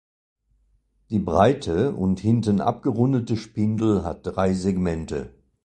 Die breite und hinten abgerundete Spindel hat drei Segmente.